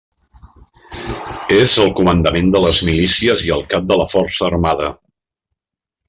És el comandant de les milícies i el cap de la força armada.